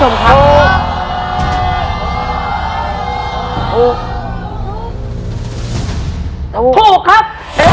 หลุนและเฉียบไปพร้อมคุณผู้ชมครับ